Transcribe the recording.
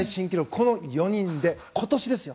この４人で、今年ですよ